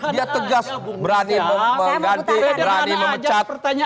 dia tegas berani mengganti berani memecat